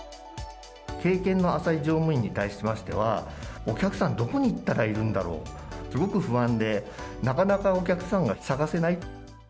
経験の浅い乗務員に対しましては、お客さんどこに行ったらいるんだろう、すごく不安で、なかなかお客さんが探せない。